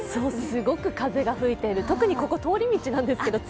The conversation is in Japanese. すごく風が吹いてる、特にここ通り道なので。